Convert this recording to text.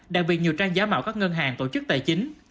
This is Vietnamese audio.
đặc biệt nhiều trang giá mạo các ngân hàng tổ chức tài chính